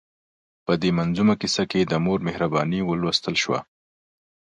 په دې منظومه کیسه کې د مور مهرباني ولوستل شوه.